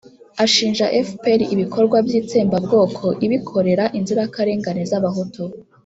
ashinja fpr ibikorwa by'itsembabwoko ibikorera inzirakarengane z'abahutu.